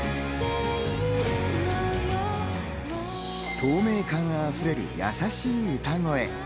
透明感あふれる優しい歌声。